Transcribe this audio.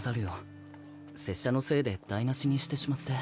拙者のせいで台無しにしてしまって。